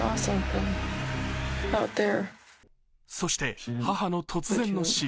そして、母の突然の死。